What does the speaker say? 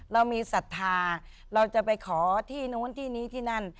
เรามีศรัทธาเราจะไปขอที่นู้นที่นี้ที่นั่น